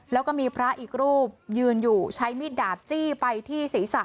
แล้วก็มีพระอีกรูปยืนอยู่ใช้มีดดาบจี้ไปที่ศีรษะ